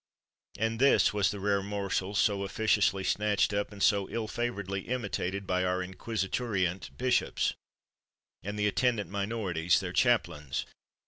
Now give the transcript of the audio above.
And this was the rare morsel so officiously snatched up, and so ill f avoredly imitated by our inquisiturient bishops, and the attendant minorities, their chaplains.